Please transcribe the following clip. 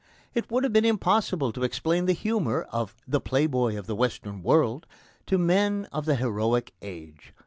It would have been impossible to explain the humour of The Playboy of the Western World to men of the heroic age.